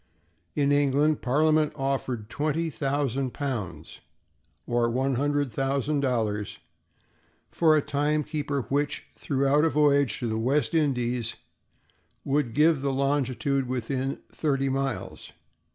In England, Parliament offered twenty thousand pounds, or one hundred thousand dollars, for a time keeper which, throughout a voyage to the West Indies, would give the longitude within thirty miles.